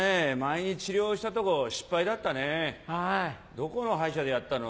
どこの歯医者でやったの？